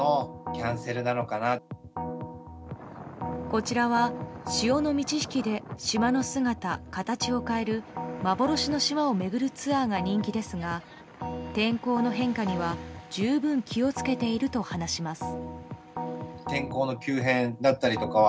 こちらは潮の満ち引きで島の姿、形を変える幻の島を巡るツアーが人気ですが天候の変化には十分気を付けていると話します。